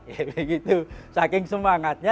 ya begitu saking semangatnya